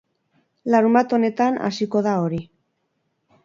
Larunbat honetan hasiko da hori.